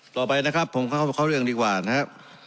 ต่อไปนะครับผมเข้ามาเข้าเรื่องดีกว่านะครับ